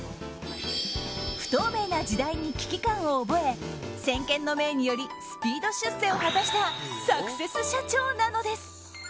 不透明な時代に危機感を覚え先見の明によりスピード出世を果たしたサクセス社長なのです。